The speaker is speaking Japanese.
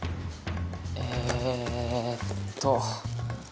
えっと。